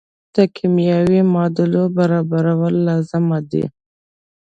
د کیمیاوي معادلو برابرول لازم دي.